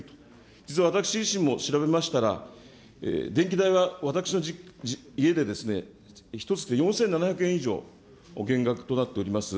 実は私自身も調べましたら、電気代は私の家で、ひとつきで４７００円以上減額となっております。